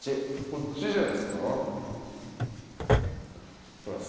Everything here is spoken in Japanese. こっちじゃないですか？